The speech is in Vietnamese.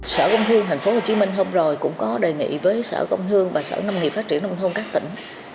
sở công thương tp hcm hôm rồi cũng có đề nghị với sở công thương và sở nông nghiệp phát triển nông thôn các tỉnh